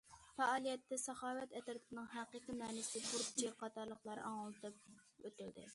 پائالىيەتتە ساخاۋەت ئەترىتىنىڭ ھەقىقىي مەنىسى، بۇرچى قاتارلىقلار ئاڭلىتىپ ئۆتۈلدى.